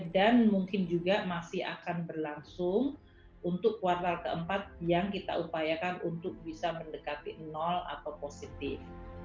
dan mungkin juga masih akan berlangsung untuk kuartal keempat yang kita upayakan untuk bisa mendekati atau positif